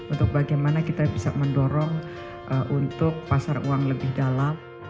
untuk bagaimana kita bisa mendorong untuk pasar uang lebih dalam